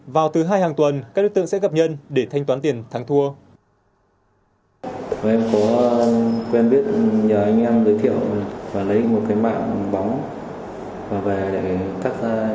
vào thứ hai hàng tuần các đối tượng sẽ gặp nhân để thanh toán tiền thắng thua